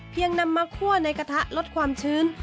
นำมาคั่วในกระทะลดความชื้น